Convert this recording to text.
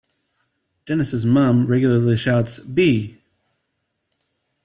Dennis' Mum regularly shouts; Bea!